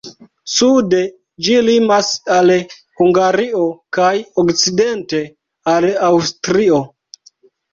Sude ĝi limas al Hungario kaj okcidente al Aŭstrio.